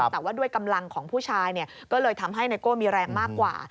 แต่ว่าด้วยกำลังของผู้ชายก็เลยทำให้ไนโก้มีแรงมากกว่า